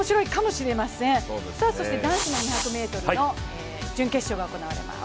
そして男子２００ｍの準決勝が行われます。